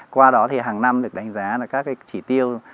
qua đó thì hàng năm được đánh giá là các cái chỉ tiêu